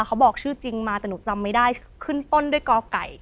เขาบอกชื่อจริงมาแต่หนูจำไม่ได้ขึ้นต้นด้วยกไก่